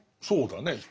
そうだね。